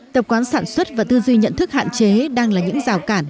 tập quán sản xuất và tư duy nhận thức hạn chế đang là những rào cản